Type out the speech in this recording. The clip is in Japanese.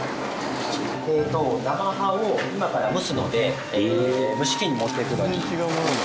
生葉を今から蒸すので蒸し器に持っていくのに。